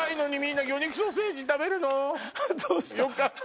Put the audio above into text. よかった。